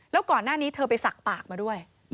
แล้วก่อนหน้านี้เธอไปสักปากมาด้วย